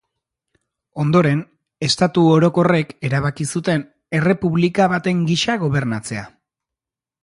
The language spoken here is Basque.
Ondoren, Estatu Orokorrek erabaki zuten errepublika baten gisa gobernatzea.